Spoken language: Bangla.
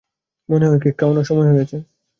মনে হয় কেক খাওয়ানোর সময় হয়েছে।